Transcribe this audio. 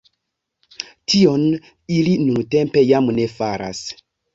Tion ili nuntempe jam ne faras.